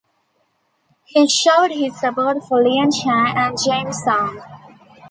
He showed his support for Lien Chan and James Soong.